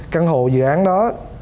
căn hộ dự án đó